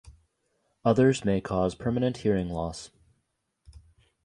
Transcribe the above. Others may cause permanent hearing loss.